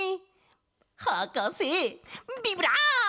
はかせビブラーボ！